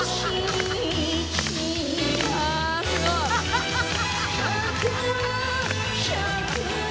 ハハハハハ！